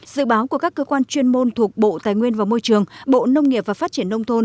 dự báo của các cơ quan chuyên môn thuộc bộ tài nguyên và môi trường bộ nông nghiệp và phát triển nông thôn